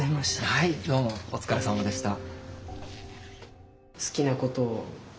はいどうもおつかれさまでした。